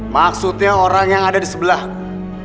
maksudnya orang yang ada di sebelahku